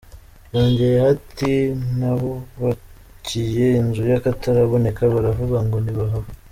Yongeyeho ati "Nabubakiye inzu y’akataraboneka baravuga ngo ntibahava.